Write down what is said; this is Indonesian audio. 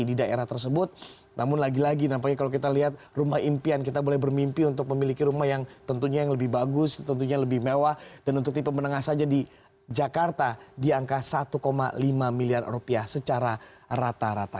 di daerah tersebut namun lagi lagi nampaknya kalau kita lihat rumah impian kita boleh bermimpi untuk memiliki rumah yang tentunya yang lebih bagus tentunya lebih mewah dan untuk tipe menengah saja di jakarta di angka satu lima miliar rupiah secara rata rata